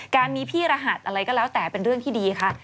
การมีพี่รหัสอะไรก็แล้วแต่เป็นเรื่องที่ดีค่ะ